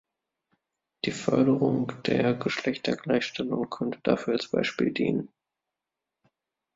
Die Förderung der Geschlechtergleichstellung könnte dafür als Beispiel dienen.